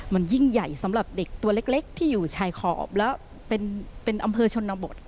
มันยิ่งใหญ่สำหรับเด็กตัวเล็กที่อยู่ชายขอบแล้วเป็นอำเภอชนบท